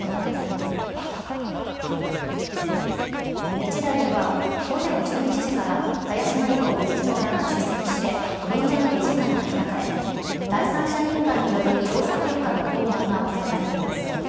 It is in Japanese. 日大では、午前１１時から林真理子理事長らが出席して、臨時の理事会が開かれ、第三者委員会による調査結果の報告が行われています。